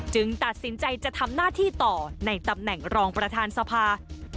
ตัดสินใจจะทำหน้าที่ต่อในตำแหน่งรองประธานสภา